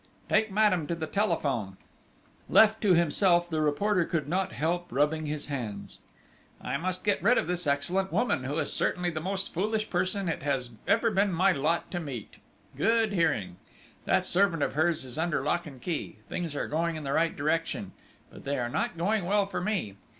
"Take madame to the telephone!" Left to himself, the reporter could not help rubbing his hands. "I must get rid of this excellent woman, who is certainly the most foolish person it has ever been my lot to meet. Good hearing! That servant of hers is under lock and key things are going in the right direction ... but they are not going well for me!...